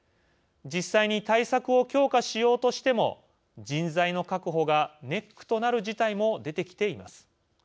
実際に対策を強化しようとしても人材の確保がネックとなる事態も出てきています。